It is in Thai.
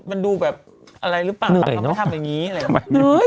มันดูแบบอะไรหรือเปล่าทำแบบนี้เลย